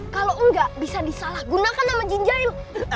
kalau enggak bisa disalahgunakan sama jin jail